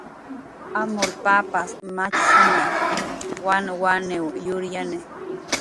Amur papas machsana, wanwaniw yuryani.